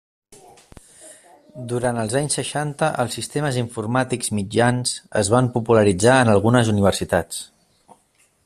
Durant els anys seixanta, els sistemes informàtics mitjans es van popularitzar en algunes universitats.